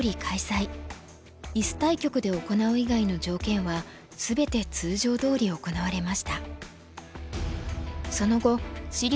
イス対局で行う以外の条件は全て通常どおり行われました。